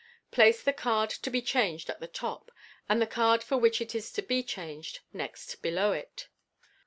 Place the card to be changed on the top, and the card for which it is to be changed next below it.